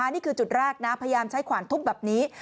นี่คือจุดแรกนะพยายามใช้ขวานทุบแบบนี้